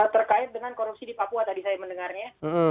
terkait dengan korupsi di papua tadi saya mendengarnya